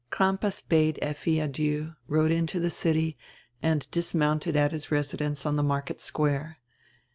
Crampas bade Effi adieu, rode into the city, and dismounted at his residence on the market square.